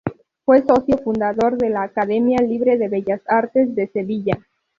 Fue socio fundador de la Academia libre de Bellas Artes de Sevilla.